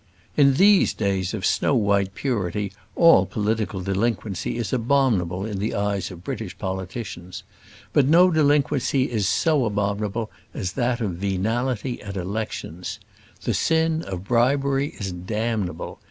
In these days of snow white purity all political delinquency is abominable in the eyes of British politicians; but no delinquency is so abominable as that of venality at elections. The sin of bribery is damnable.